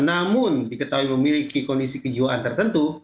namun diketahui memiliki kondisi kejiwaan tertentu